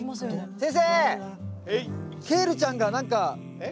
先生。